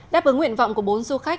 đáp ứng nguyện vọng của bốn du khách